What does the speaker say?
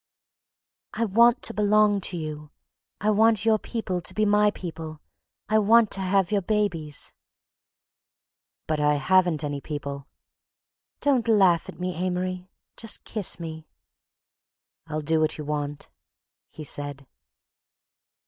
"I want to belong to you. I want your people to be my people. I want to have your babies." "But I haven't any people." "Don't laugh at me, Amory. Just kiss me." "I'll do what you want," he said.